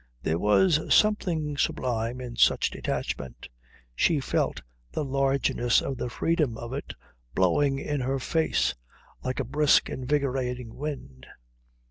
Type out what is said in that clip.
There was something sublime in such detachment. She felt the largeness of the freedom of it blowing in her face like a brisk, invigorating wind.